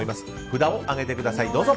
札を上げてください、どうぞ。